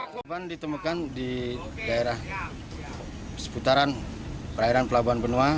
korban ditemukan di daerah seputaran perairan pelabuhan benoa